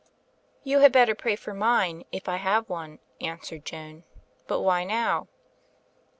"You had better pray for mine, if I have one," answered Joan, "but why now?"